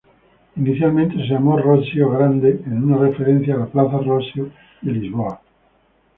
Inicialmente se llamó "Rossio Grande", en una referencia a la plaza Rossio de Lisboa.